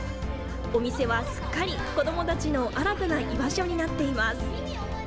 お店はすっかり子どもたちの新たな居場所になっています。